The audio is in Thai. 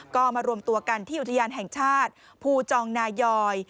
ก็มารวมตัวกันที่อุทยานแห่งชาติภูจองนายอย